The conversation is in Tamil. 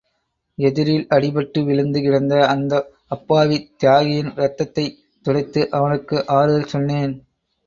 எதிரில் அடிபட்டு விழுந்து கிடந்த அந்த அப்பாவி தியாகியின் இரத்தத்தைத் துடைத்து அவனுக்கு ஆறுதல் சொன்னேன்.